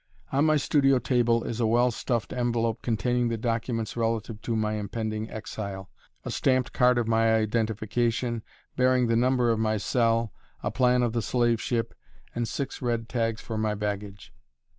On my studio table is a well stuffed envelope containing the documents relative to my impending exile a stamped card of my identification, bearing the number of my cell, a plan of the slave ship, and six red tags for my baggage.